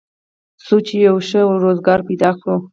څو یو ښه روزګار پیدا کړو